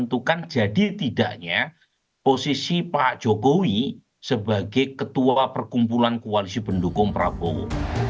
menentukan jadi tidaknya posisi pak jokowi sebagai ketua perkumpulan koalisi pendukung prabowo